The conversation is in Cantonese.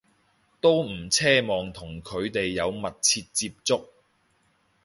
都唔奢望同佢哋有密切接觸